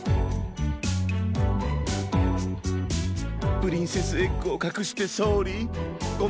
プリンセスエッグをかくしてソーリーごめんなさい。